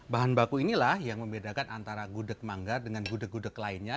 bahan baku inilah yang membedakan antara gudeg manggar dengan gudeg gudeg lainnya